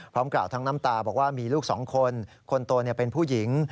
กล่าวทั้งน้ำตาบอกว่ามีลูกสองคนคนโตเป็นผู้หญิง